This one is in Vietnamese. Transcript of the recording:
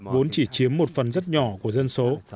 vốn chỉ chiếm một phần rất nhỏ của dân số